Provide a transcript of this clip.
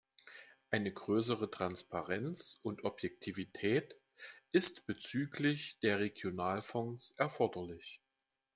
Eine größere Transparenz und Objektivität ist bezüglich der Regionalfonds erforderlich.